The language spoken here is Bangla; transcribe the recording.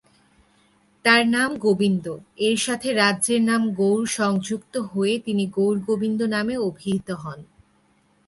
তার নাম গোবিন্দ; এর সাথে রাজ্যের নাম "গৌর" সংযুক্ত হয়ে তিনি 'গৌর গোবিন্দ' নামে অভিহিত হন।